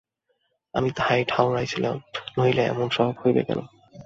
আমিও তাহাই ঠাওরাইয়াছিলাম, নহিলে এমন স্বভাব হইবে কেন।